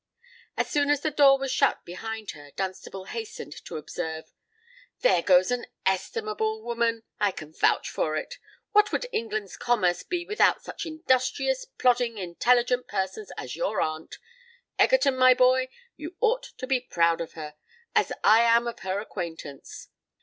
As soon as the door was shut behind her, Dunstable hastened to observe, "There goes an estimable woman—I can vouch for it! What would England's commerce be without such industrious, plodding, intelligent persons as your aunt? Egerton, my boy, you ought to be proud of her—as I am of her acquaintance.